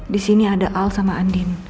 di sini ada al sama andin